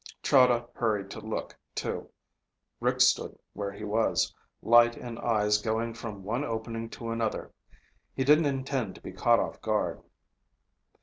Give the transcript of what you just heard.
Chahda hurried to look, too. Rick stood where he was, light and eyes going from one opening to another. He didn't intend to be caught off guard.